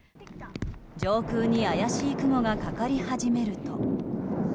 上空に怪しい雲がかかり始めると。